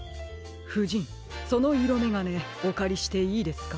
ふじんそのいろめがねおかりしていいですか？